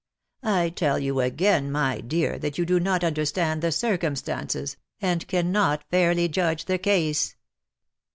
^^ "I tell you again, my dear, that you do not understand the circumstances, and cannot fairly judge the case.